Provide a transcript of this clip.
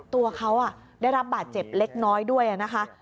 ตัวเขาได้รับบาดเจ็บเล็กน้อยด้วยนะคะ